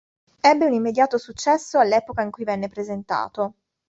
Ebbe un immediato successo all'epoca in cui venne presentato.